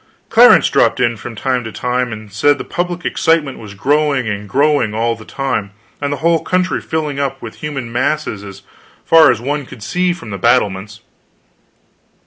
Clarence dropped in from time to time and said the public excitement was growing and growing all the time, and the whole country filling up with human masses as far as one could see from the battlements.